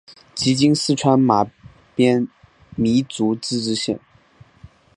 即今四川马边彝族自治县。